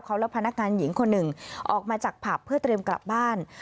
เขาและพนักงานหญิงคนหนึ่งออกมาจากผับเพื่อเตรียมกลับบ้าน